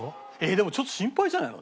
でもちょっと心配じゃないの？